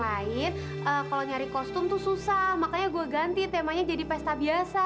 eh kayaknya gua pulang aja kali ya